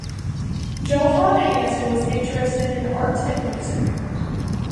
Johan Hansen was interested in art and music.